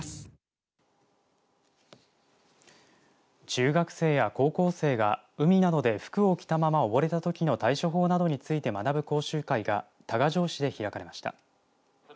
中学生や高校生が海などで服を着たまま溺れたときの対処法などについて学ぶ講習会が多賀城市で開かれました。